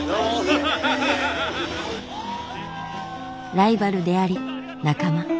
ライバルであり仲間。